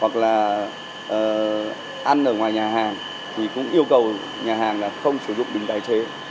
thì cũng yêu cầu nhà hàng là không sử dụng bình tài chế